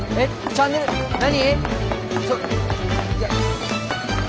チャンネル何？